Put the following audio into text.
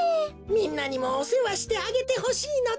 みんなにもおせわしてあげてほしいのだ。